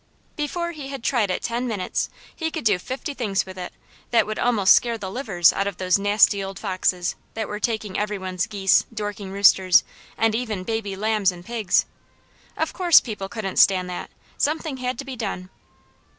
Before he had tried it ten minutes he could do fifty things with it that would almost scare the livers out of those nasty old foxes that were taking every one's geese, Dorking roosters, and even baby lambs and pigs. Of course people couldn't stand that; something had to be done!